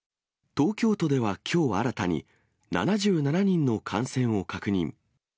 東京都ではきょう新たに、７７人の感染を確認。